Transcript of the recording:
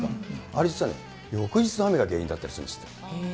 あれ実はね、翌日の雨が原因だったりするんですって。